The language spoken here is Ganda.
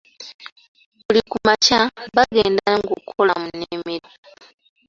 Buli ku makya bagenda ng'okola mu nnimiro.